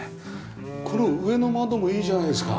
これ上の窓もいいじゃないですか。